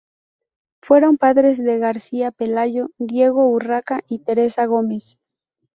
Fueron padres de García, Pelayo, Diego, Urraca y Teresa Gómez.